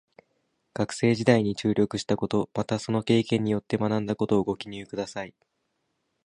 学生時代に注力したこと、またその経験によって学んだことをご記入ください。